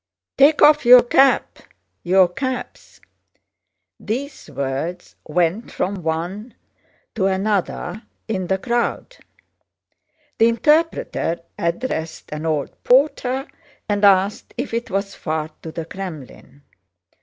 "Take off your cap... your caps!" These words went from one to another in the crowd. The interpreter addressed an old porter and asked if it was far to the Krémlin.